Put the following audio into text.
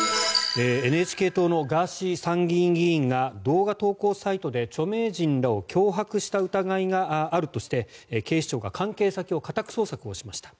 ＮＨＫ党のガーシー参議院議員が動画投稿サイトで著名人らを脅迫した疑いがあるとして警視庁が関係先を家宅捜索をしました。